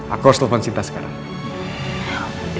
aku harus telfon sinta sekarang